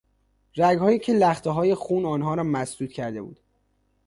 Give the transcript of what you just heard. رگهایی که لختههای خون آنها را مسدود کرده بود.